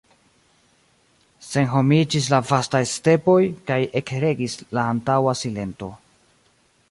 Senhomiĝis la vastaj stepoj, kaj ekregis la antaŭa silento.